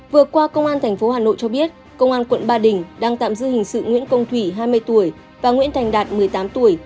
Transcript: vừa qua công an tp hà nội cho biết công an quận ba đình đang tạm giữ hình sự nguyễn công thủy hai mươi tuổi và nguyễn thành đạt một mươi tám tuổi